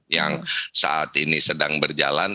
yang saat ini sedang berjalan